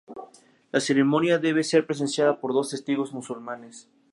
La ceremonia debe ser presenciada por dos testigos musulmanes.